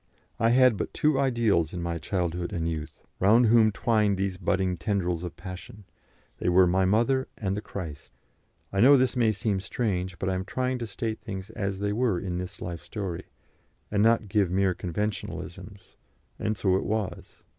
I had but two ideals in my childhood and youth, round whom twined these budding tendrils of passion; they were my mother and the Christ. I know this may seem strange, but I am trying to state things as they were in this life story, and not give mere conventionalisms, and so it was.